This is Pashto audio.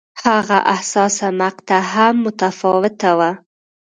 هغه حساسه مقطعه هم متفاوته وه.